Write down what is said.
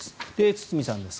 堤さんです。